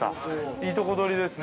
いいとこ取りですね。